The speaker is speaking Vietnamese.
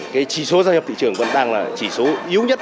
cái chỉ số gia nhập thị trường vẫn đang là chỉ số yếu nhất